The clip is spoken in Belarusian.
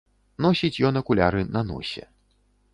Носіць ён акуляры на носе.